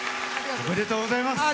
ありがとうございます。